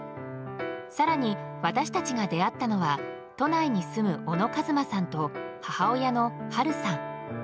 更に私たちが出会ったのは都内に住む小野和真さんと母親の春さん。